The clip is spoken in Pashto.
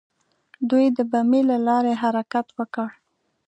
دوی د بمیي له لارې حرکت وکړ.